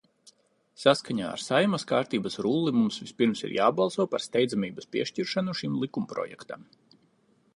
Saskaņā ar Saeimas kārtības rulli mums vispirms ir jābalso par steidzamības piešķiršanu šim likumprojektam.